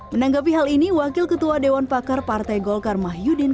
menanggapi hal ini wakil ketua dewan pakar partai golkar mahyudin